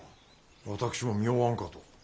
私も妙案かと。